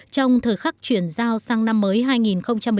trong thời khắc chuyển giao sang năm mới hai nghìn một mươi tám